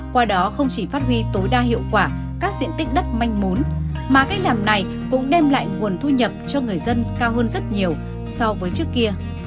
qua đó không chỉ phát huy tối đa hiệu quả các diện tích đất manh mún mà cách làm này cũng đem lại nguồn thu nhập cho người dân cao hơn rất nhiều so với trước kia